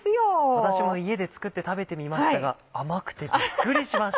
私も家で作って食べてみましたが甘くてびっくりしました。